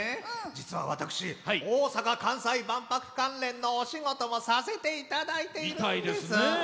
実は私、大阪・関西万博関連のお仕事をさせていただいています。